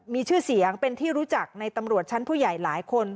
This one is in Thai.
มีชื่อเสียงเป็นที่รู้จักในตำรวจชั้นผู้ใหญ่หลายคน